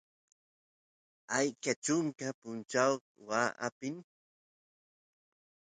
ashkay chunka punchawsta waa apin